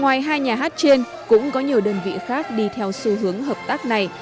ngoài hai nhà hát trên cũng có nhiều đơn vị khác đi theo xu hướng hợp tác này